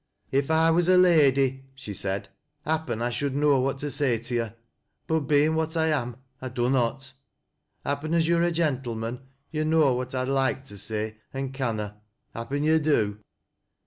"If I was a lady," she said, "happen I should know what to say to yo' ; but bein' what I am, I dunnot Hap A DIFFIOULT CASE. IS pen as yo're a gentleman yo' know what I'd loike to sa'y an canna — happen yo' do."